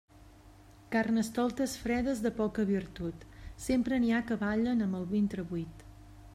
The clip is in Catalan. Carnestoltes fredes de poca virtut, sempre n'hi ha que ballen amb el ventre buit.